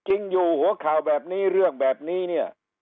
อยู่หัวข่าวแบบนี้เรื่องแบบนี้เนี่ย